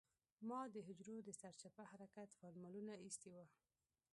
ما د حجرو د سرچپه حرکت فارموله اېستې وه.